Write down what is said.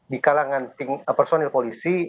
di kalangan personil polisi